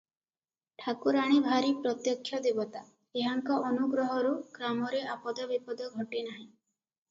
ଠାକୁରାଣୀ ଭାରି ପ୍ରତ୍ୟକ୍ଷ ଦେବତା, ଏହାଙ୍କ ଅନୁଗ୍ରହରୁ ଗ୍ରାମରେ ଆପଦବିପଦ ଘଟେ ନାହିଁ ।